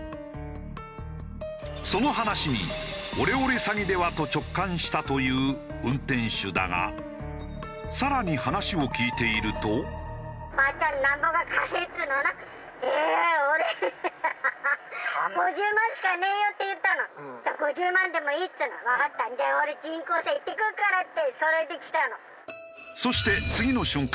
その話にオレオレ詐欺では？と直感したという運転手だが更にそして次の瞬間